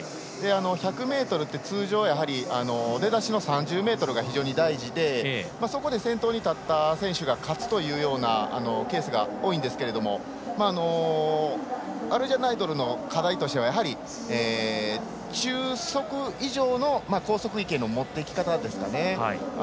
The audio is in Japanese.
１００ｍって通常出だしの３０ｍが非常に大事でそこで先頭に立った選手が勝つというケースが多いんですけれどもアルジャナイドルの課題としてはやはり中速以上の高速への持っていき方ですかね。